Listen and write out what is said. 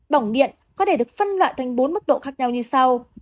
bỏng điện có thể được phân loại thành bốn mức độ khác nhau như sau